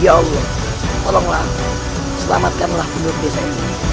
ya allah tolonglah selamatkanlah penduduk desa ini